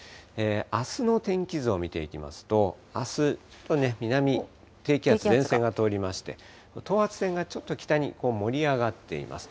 あすの天気図を見ていきますと、あす、南に低気圧や前線が通りまして、等圧線がちょっと北に盛り上がっています。